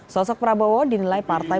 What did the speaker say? sosok prabowo dinilai partai